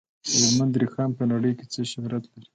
د هلمند رخام په نړۍ کې څه شهرت لري؟